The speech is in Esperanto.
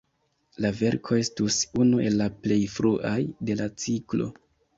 La verko estus unu el la plej fruaj de la ciklo.